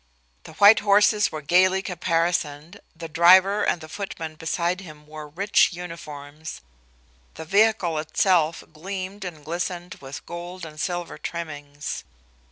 The white horses were gaily caparisoned, the driver and the footman beside him wore rich uniforms, the vehicle itself gleamed and glistened with gold and silver trimmings.